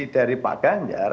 dari pak ganjar